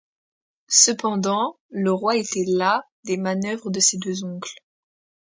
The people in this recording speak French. Cependant, le roi était las des manœuvres de ses deux oncles.